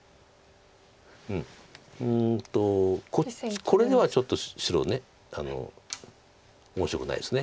うんとこれではちょっと白面白くないです。